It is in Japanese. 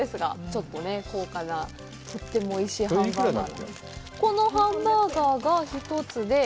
ちょっと高価なとってもおいしいハンバーガー。